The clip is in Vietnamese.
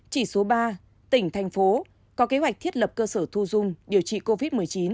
chỉ số ba tỉnh thành phố có kế hoạch thiết lập cơ sở thu dung điều trị covid một mươi chín